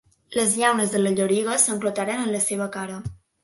Les llaunes de la lloriga s'enclotaren en la seva cara.